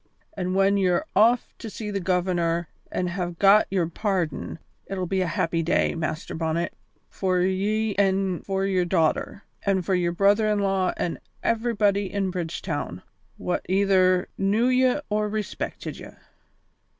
An' when ye're off to see the Governor an' hae got your pardon, it'll be a happy day, Master Bonnet, for ye an' for your daughter, an' for your brother in law an' everybody in Bridgetown wha either knew ye or respected ye."